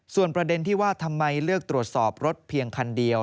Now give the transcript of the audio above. ส่วนประเด็นที่ว่าทำไมเลือกตรวจสอบรถเพียงคันเดียว